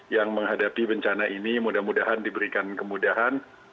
yang menghadapi bencana ini mudah mudahan diberikan kemudahan